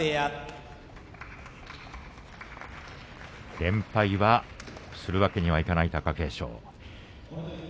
連敗するわけにはいかない貴景勝。